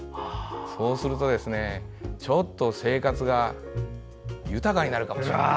そうすると、ちょっと生活が豊かになるかもしれません。